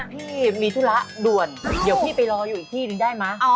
พี่มีธุระด่วนเดี๋ยวพี่ไปรออยู่อีกที่หนึ่งได้ไหม